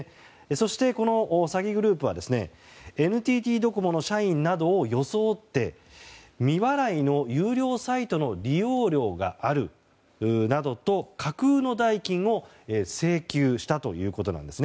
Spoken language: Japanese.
そして、この詐欺グループはＮＴＴドコモの社員などを装って未払いの有料サイトの利用料があるなどと架空の代金を請求したということです。